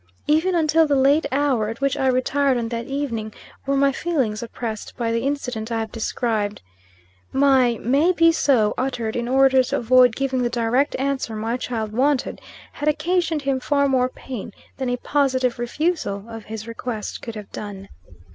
Even until the late hour at which I retired on that evening, were my feelings oppressed by the incident I have described. My "May be so," uttered in order to avoid giving the direct answer my child wanted, had occasioned him far more pain than a positive refusal of his request could have done.